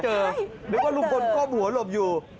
เพราะว่าลุงพลกอบหัวหลบอยู่